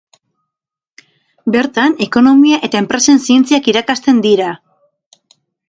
Bertan, Ekonomia eta enpresen zientziak irakasten dira.